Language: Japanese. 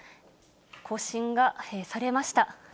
更新がされました。